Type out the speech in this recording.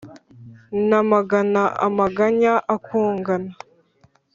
namagana Amaganya akugana.